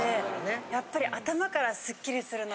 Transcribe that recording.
やっぱり。